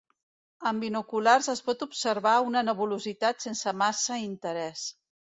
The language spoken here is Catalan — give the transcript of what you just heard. Amb binoculars es pot observar una nebulositat sense massa interès.